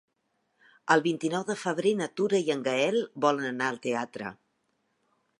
El vint-i-nou de febrer na Tura i en Gaël volen anar al teatre.